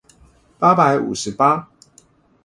八百五十八